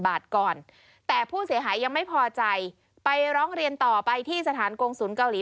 บาทก่อนแต่ผู้เสียหายยังไม่พอใจไปร้องเรียนต่อไปที่สถานกงศูนย์เกาหลี